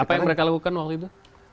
apa yang mereka lakukan waktu itu